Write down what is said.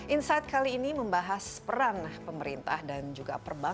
insight kali ini membahas peran pemerintah dan juga perbankan